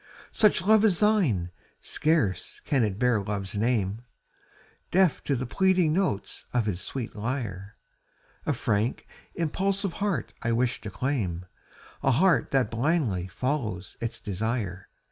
Such love as thine, scarce can it bear love's name, Deaf to the pleading notes of his sweet lyre, A frank, impulsive heart I wish to claim, A heart that blindly follows its desire.